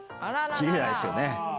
切れないですよね。